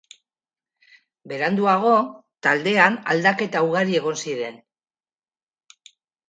Beranduago, taldean aldaketa ugari egon ziren.